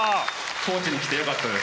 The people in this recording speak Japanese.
高知に来てよかったです。